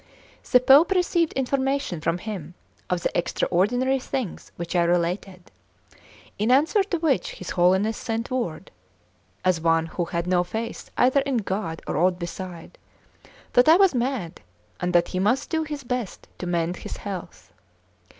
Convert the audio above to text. The Pope received information from him of the extraordinary things which I related; in answer to which his Holiness sent word as one who had no faith either in God or aught beside that I was mad, and that he must do his best to mend his health.